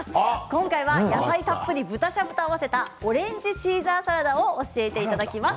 今回は野菜たっぷり豚しゃぶと合わせたオレンジシーザーサラダを教えていただきます。